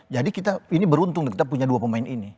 jadi ini beruntung kita punya dua pemain ini